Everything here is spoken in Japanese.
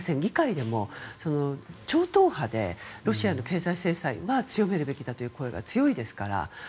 議会でも超党派でロシアの経済制裁は強めるべきだという声が大きいですから。